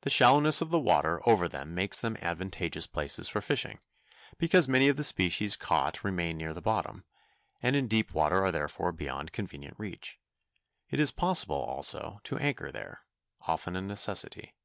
The shallowness of the water over them makes them advantageous places for fishing, because many of the species caught remain near the bottom, and in deep water are therefore beyond convenient reach. It is possible, also, to anchor there—often a necessity.